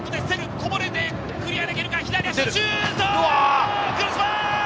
こぼれて、クリアできるか？